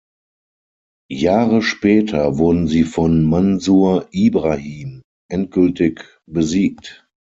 Jahre später wurden sie von Mansur Ibrahim endgültig besiegt.